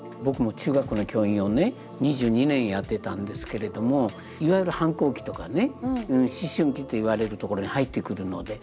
僕も中学校の教員をね２２年やってたんですけれどもいわゆる反抗期とかね思春期といわれるところに入ってくるので。